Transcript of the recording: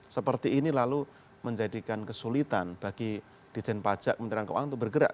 seperti ini lalu menjadikan kesulitan bagi desen pajak menteri angkabang itu bergerak